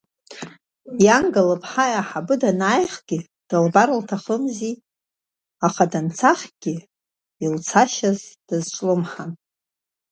Ианга лыԥҳа аиҳабы данааих дылбар лҭахымзи, аха данцахгьы илцашьаз дазҿлымҳан.